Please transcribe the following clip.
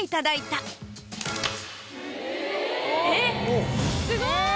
えっ⁉すごい。